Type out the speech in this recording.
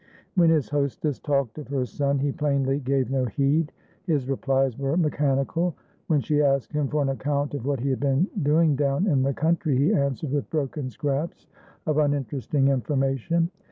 When his hostess talked of her son, he plainly gave no heed; his replies were mechanical. When she asked him for an account of what he had been doing down in the country, he answered with broken scraps of uninteresting information.